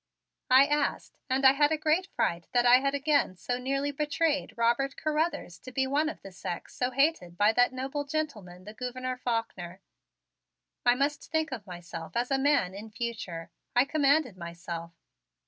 I asked, and I had a great fright that I had again so nearly betrayed Robert Carruthers to be one of the sex so hated by that noble gentleman, the Gouverneur Faulkner. "I must think of myself as a man in future," I commanded myself.